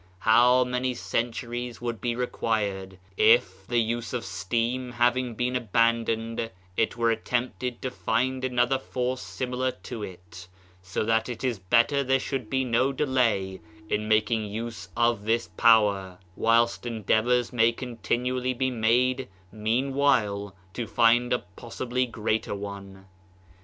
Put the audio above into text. How many centuries would be required if, the use of steam having been aban doned, it were attempted to find another force similar to it. So that it is better there should be no delay in making use of this power, whilst en 127 Digitized by Google MYSTERIOUS FORCES deavors may continually be made meanwhile to find a possibly greater one.